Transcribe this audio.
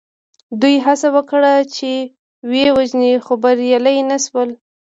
دوی هڅه وکړه چې ویې وژني خو بریالي نه شول.